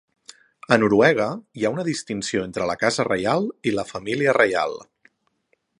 A Noruega hi ha una distinció entre la Casa Reial i la Família Reial.